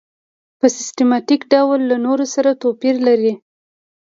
په سیستماتیک ډول له نورو سره توپیر لري.